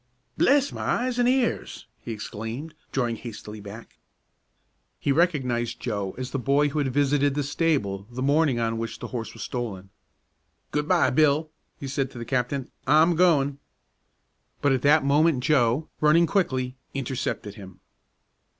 "Bless my eyes an' ears!" he exclaimed, drawing hastily back. He recognized Joe as the boy who had visited the stable the morning on which the horse was stolen. "Good by, Bill!" he said to the captain. "I'm goin'!" But at that moment Joe, running quickly, intercepted him.